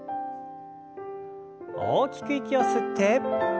大きく息を吸って。